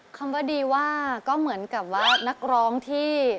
คำว่าดีว่าก็เหมือนกับว่านักร้องที่